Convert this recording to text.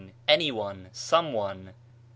any one, some one, n.